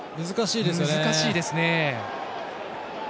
難しいですよね。